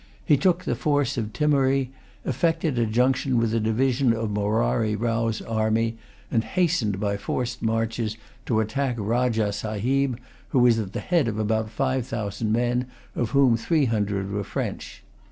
He took the fort of Timery, effected a junction with a division of Morari Row's army, and hastened, by forced marches, to attack Rajah Sahib, who was at the head of about five thousand men, of whom three hundred were French.